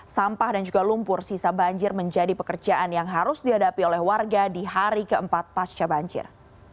sampah dan juga lumpur sisa banjir menjadi pekerjaan yang harus dihadapi oleh warga di hari keempat pasca banjir